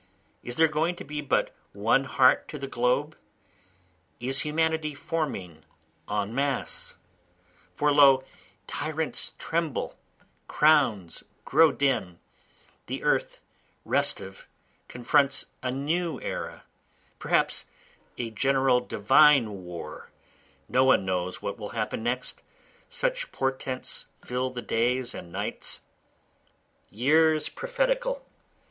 is there going to be but one heart to the globe? Is humanity forming en masse? for lo, tyrants tremble, crowns grow dim, The earth, restive, confronts a new era, perhaps a general divine war, No one knows what will happen next, such portents fill the days and nights; Years prophetical!